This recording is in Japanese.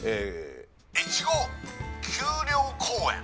越後丘陵公園